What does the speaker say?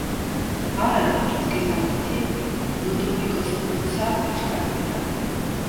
არადა, ფრესკის დამკვეთი ლოდოვიკო სფორცა აჩქარებდა.